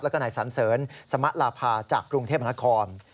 แล้วก็นายสันเสริญสมลาภาจากกรุงเทพมนาคม